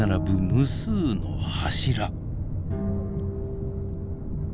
無数の柱。